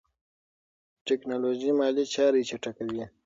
ټیکنالوژي مالي چارې چټکوي.